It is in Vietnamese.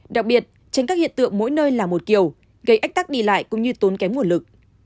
đặc biệt tránh các hiện tượng mỗi nơi là một kiểu gây ách tắc đi lại cũng như tốn kém nguồn lực